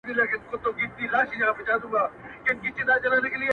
هغه جنتي حوره ته انسانه دا توپیر دی,